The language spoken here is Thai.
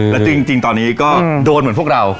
แล้วจริงตอนนี้ก็โดนเหมือนพวกเรา